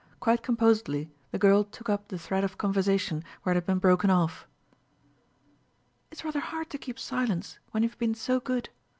Quite composedly the girl took up the thread of conversation where it had been broken off. "It's rather hard to keep silence, when you've been so good.